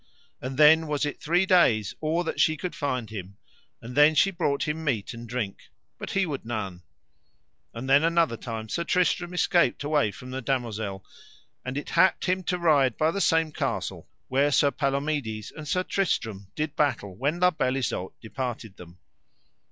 And then was it three days or that she could find him, and then she brought him meat and drink, but he would none; and then another time Sir Tristram escaped away from the damosel, and it happed him to ride by the same castle where Sir Palomides and Sir Tristram did battle when La Beale Isoud departed them.